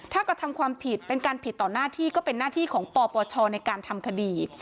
ถ้ากระทำความผิดเป็นการผิดต่อหน้าที่ก็เป็นหน้าที่ของปปชในการทำคดี